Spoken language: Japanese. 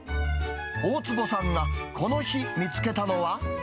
大坪さんがこの日見つけたのは。